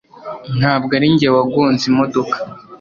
Ntabwo arinjye wagonze imodoka